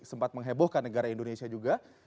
sempat menghebohkan negara indonesia juga